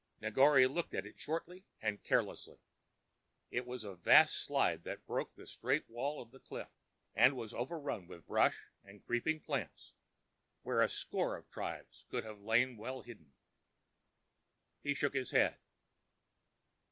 Negore looked at it shortly and carelessly. It was a vast slide that broke the straight wall of a cliff, and was overrun with brush and creeping plants, where a score of tribes could have lain well hidden. He shook his head.